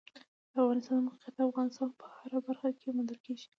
د افغانستان د موقعیت د افغانستان په هره برخه کې موندل کېږي.